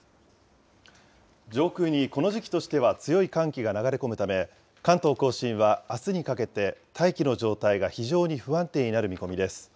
上空にこの時期としては強い寒気が流れ込むため、関東甲信はあすにかけて大気の状態が非常に不安定になる見込みです。